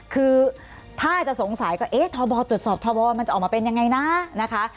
คือถ้าจะสงสัยก็เอ๊ะทบตรวจสอบทบมันจะออกมาเป็นยังไงนะนะคะ